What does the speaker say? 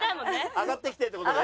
上がってきてって事ね。